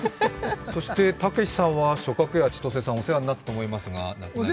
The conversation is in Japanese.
たけしさんは、松鶴家千とせさん、お世話になったと思いますが。